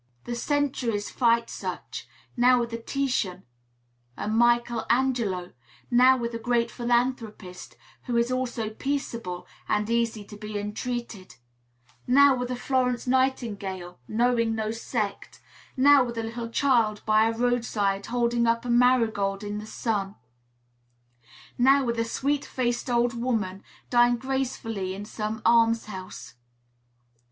The centuries fight such, now with a Titian, a Michel Angelo; now with a great philanthropist, who is also peaceable and easy to be entreated; now with a Florence Nightingale, knowing no sect; now with a little child by a roadside, holding up a marigold in the sun; now with a sweet faced old woman, dying gracefully in some almshouse.